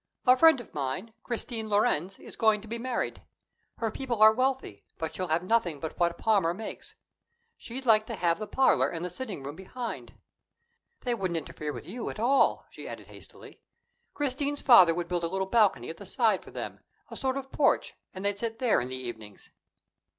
A friend of mine, Christine Lorenz, is going to be married. Her people are wealthy, but she'll have nothing but what Palmer makes. She'd like to have the parlor and the sitting room behind. They wouldn't interfere with you at all," she added hastily. "Christine's father would build a little balcony at the side for them, a sort of porch, and they'd sit there in the evenings."